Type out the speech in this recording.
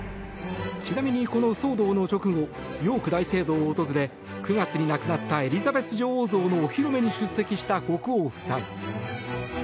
ちなみに、この騒動の直後ヨーク大聖堂を訪れ９月に亡くなったエリザベス女王像のお披露目に出席した国王夫妻。